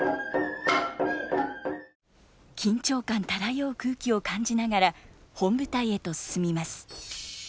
緊張感漂う空気を感じながら本舞台へと進みます。